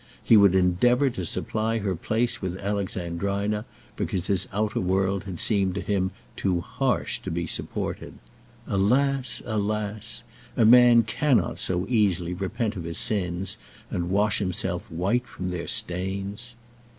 He would endeavour to supply her place with Alexandrina, because his outer world had seemed to him too harsh to be supported. Alas! alas! a man cannot so easily repent of his sins, and wash himself white from their stains!